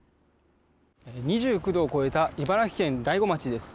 ２９度を超えた茨城県大子町です。